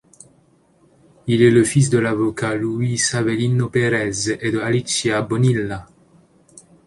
Il est le fils de l'avocat Luis Avelino Pérez et de Alicia Bonilla.